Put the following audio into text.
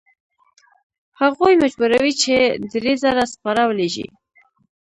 هغوی مجبوروي چې درې زره سپاره ولیږي.